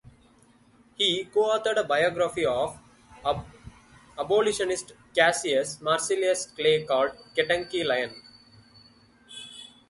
He co-authored a biography of the abolitionist Cassius Marcellus Clay called "Kentucky Lion".